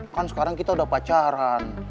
kan sekarang kita udah pacaran